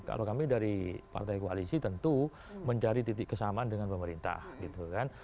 kalau kami dari partai koalisi tentu mencari titik kesamaan dengan pemerintah gitu kan